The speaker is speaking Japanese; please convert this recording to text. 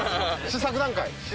試作段階。